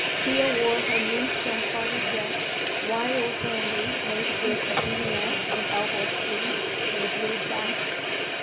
Thea wore her Moonstone party dress, white organdie, made with a "V" neck and elbow sleeves, and a blue sash.